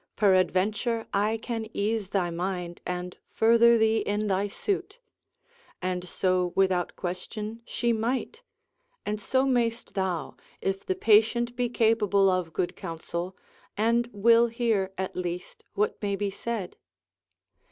peradventure I can ease thy mind, and further thee in thy suit; and so, without question, she might, and so mayst thou, if the patient be capable of good counsel, and will hear at least what may be said.